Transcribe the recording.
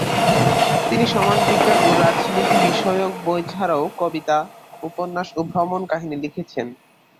তিনি সমাজবিজ্ঞান ও রাজনীতি বিষয়ক বই ছাড়াও কবিতা, উপন্যাস ও ভ্রমণ কাহিনী লিখেছেন।